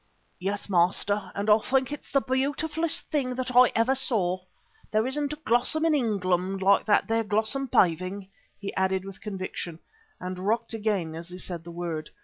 "Yes, master, and I think it the beautifullest thing that ever I saw. There isn't a 'glossum in England like that there 'glossum Paving," he added with conviction, and rocked again as he said the word.